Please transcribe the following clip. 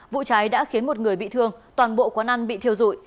vụ cháy đã khiến một người bị thương toàn bộ quán ăn bị thiêu dụi